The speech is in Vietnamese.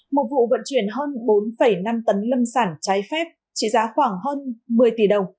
một vụ vận chuyển hơn bốn năm tấn lâm sản trái phép trị giá khoảng hơn một mươi tỷ đồng